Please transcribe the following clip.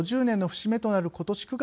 ５０年の節目となることし